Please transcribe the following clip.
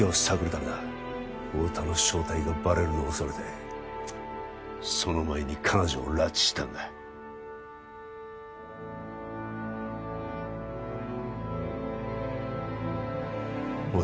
ためだ太田の正体がバレるのを恐れてその前に彼女を拉致したんだおい